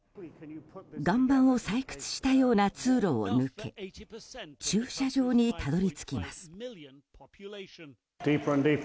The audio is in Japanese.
岩盤を採掘したような通路を抜け駐車場にたどり着きます。